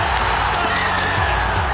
トライ！